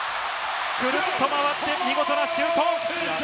ぐるっと回って見事なシュート。